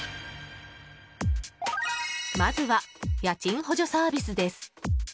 まずは家賃補助サービスです。